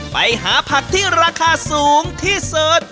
ไปหาผักที่ราคาสูงที่สุด